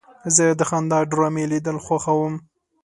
زه د خندا ډرامې لیدل خوښوم.